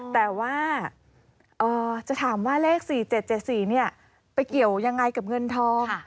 แต่ว่าจะถามว่าเลข๔๗๗๔ไปเกี่ยวยังไงกับเงินทอง